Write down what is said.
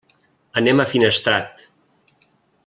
Anem a Finestrat.